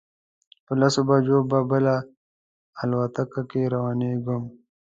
پر لسو بجو به بله الوتکه کې روانېږم.